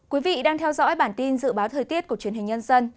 quý vị đang theo dõi bản tin dự báo thời tiết của chủ nhật